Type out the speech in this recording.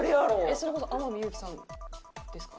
それこそ天海祐希さんですか？